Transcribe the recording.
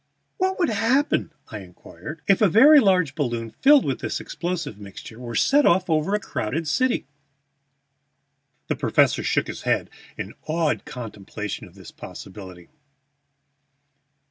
"What would happen," I inquired, "if a very large balloon filled with this explosive mixture were set off over a crowded city?" The professor shook his head in his awed contemplation of this possibility.